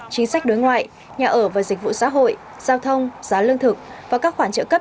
chính sách đối ngoại nhà ở và dịch vụ xã hội giao thông giá lương thực và các khoản trợ cấp